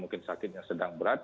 mungkin sakitnya sedang berat